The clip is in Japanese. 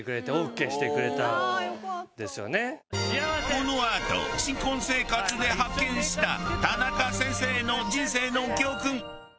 このあと新婚生活で発見した田中先生の人生の教訓。